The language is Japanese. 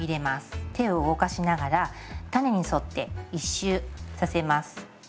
手を動かしながら種に沿って一周させます。